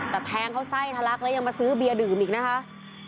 แต่แทงเขาไส้ทะลักแล้วยังมาซื้อเบียร์ดื่มอีกนะคะ